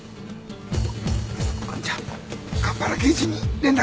亜美ちゃん蒲原刑事に連絡！